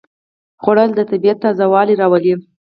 خوړل د طبیعت تازهوالی راولي